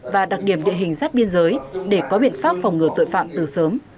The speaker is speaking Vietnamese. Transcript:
và đặc điểm địa hình sát biên giới để có biện pháp phòng ngừa tội phạm từ sớm